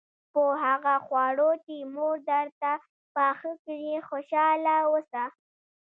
په هغه خواړو چې مور درته پاخه کړي خوشاله اوسه.